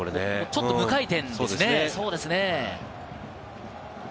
ちょっと無回転ですよね。